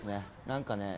何かね